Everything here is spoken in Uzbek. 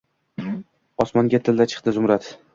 Osmonga tilla chiqdi, Zumrad.